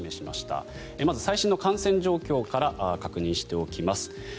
まず最新の感染状況から確認しておきます。